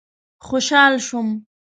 خوشحال شوم.